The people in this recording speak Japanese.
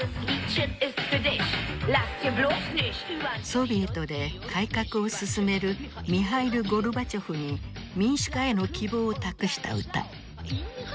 ソビエトで改革を進めるミハイル・ゴルバチョフに民主化への希望を託した歌。